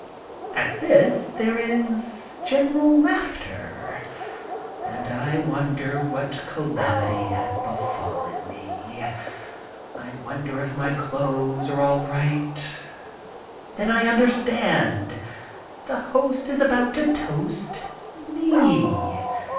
At this there is general laughter, and I wonder what calamity has befallen me. I wonder if my clothes are all right. Then I understand. The host is about to toast me.